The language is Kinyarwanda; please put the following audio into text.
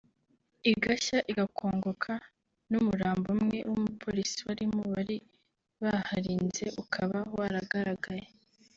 igashya igakongoka n’umurambo umwe w’umupolisi wari mu bari baharinze ukaba waragaragaye